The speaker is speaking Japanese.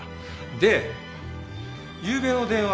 でゆうべの電話